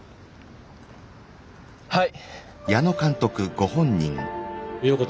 はい。